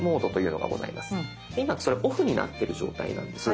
今それオフになってる状態なんです。